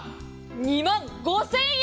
２万５０００円。